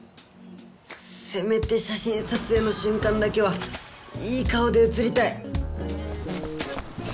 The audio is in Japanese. せめて写真撮影のしゅんかんだけはいい顔で写りたい。